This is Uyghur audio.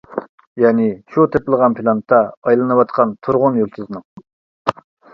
يەنى شۇ تېپىلغان پىلانېتا ئايلىنىۋاتقان تۇرغۇن يۇلتۇزنىڭ.